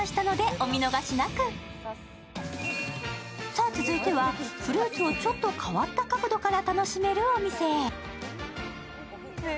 さあ、続いてはフルーツをちょっと変わった角度から楽しめるお店へ。